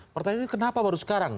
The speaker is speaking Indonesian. pertanyaannya kenapa baru sekarang